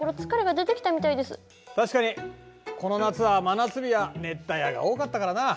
確かにこの夏は真夏日や熱帯夜が多かったからなぁ。